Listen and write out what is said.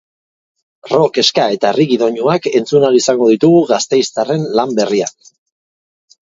Rock, ska eta reggae doinuak entzun ahal izango ditugu gasteiztarren lan berrian.